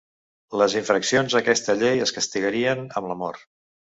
Les infraccions a aquesta llei es castigarien amb la mort.